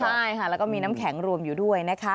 ใช่ค่ะแล้วก็มีน้ำแข็งรวมอยู่ด้วยนะคะ